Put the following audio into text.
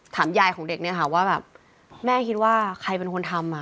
ถามยายของเด็กเนี่ยค่ะว่าแบบแม่คิดว่าใครเป็นคนทำอ่ะ